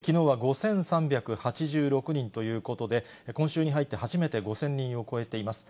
きのうは５３８６人ということで、今週に入って初めて５０００人を超えています。